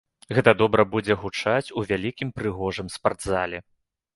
Гэта добра будзе гучаць у вялікім прыгожым спартзале.